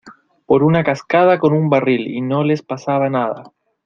por una cascada con un barril y no les pasaba nada.